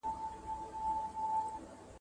په وهلو یې په کار لګیا کومه !.